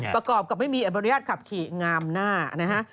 ประกอบกับไม่มีอนุญาตขับขี่งามหน้านะฮะ